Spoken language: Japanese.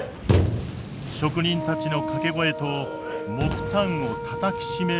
職人たちの掛け声と木炭をたたきしめる音。